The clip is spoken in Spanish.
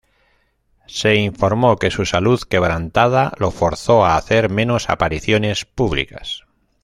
Se informó que su salud quebrantada lo forzó a hacer menos apariciones públicas.